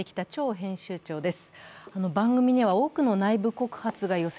編集長です。